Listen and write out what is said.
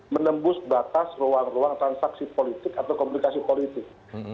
menembus batas ruang ruang transaksi politik atau komplikasi politik